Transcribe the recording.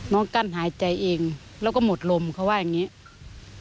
กั้นหายใจเองแล้วก็หมดลมเขาว่าอย่างนี้